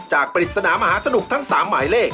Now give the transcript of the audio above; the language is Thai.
ปริศนามหาสนุกทั้ง๓หมายเลข